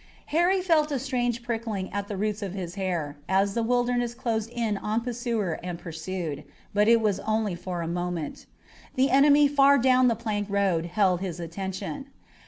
Harry felt a strange prickling at the roots of his hair as the Wilderness closed in on pursuer and pursued, but it was only for a moment. The enemy far down the plank road held his attention.